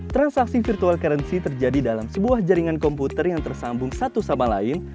transaksi virtual currency terjadi dalam sebuah jaringan komputer yang tersambung satu sama lain